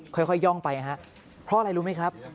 ค่อยย่องไปนะครับเพราะอะไรรู้ไหมครับ